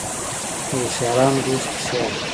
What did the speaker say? د هوښیارانو دوست هوښیار وي .